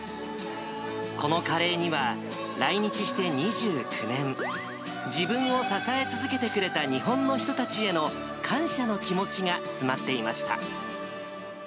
このカレーには、来日して２９年、自分を支え続けてくれた日本の人たちへの感謝の気持ちが詰まっていました。